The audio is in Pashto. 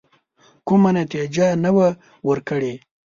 کومه نتیجه نه وه ورکړې.